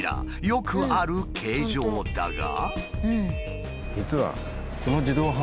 よくある形状だが。